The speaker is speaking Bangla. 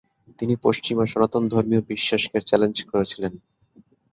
তিনি পশ্চিমা সনাতন ধর্মীয় বিশ্বাস কে চ্যালেঞ্জ করেছিলেন।